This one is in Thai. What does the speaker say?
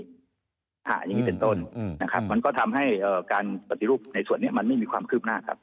อย่างนี้เป็นต้นนะครับมันก็ทำให้การปฏิรูปในส่วนนี้มันไม่มีความคืบหน้าครับ